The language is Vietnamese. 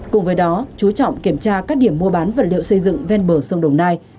cùng với đó chú trọng kiểm tra các điểm mua bán vật liệu xây dựng ven bờ sông đồng nai